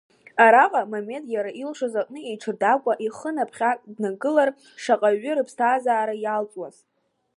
Араҟа Мамед, иара илшоз аҟны иҽырдагәа, ихы ныԥхьак днагылар, шаҟаҩы рыԥсҭазаара иалҵуаз?!